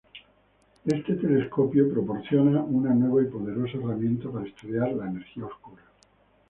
Este telescopio proporciona una nueva y poderosa herramienta para estudiar la energía oscura.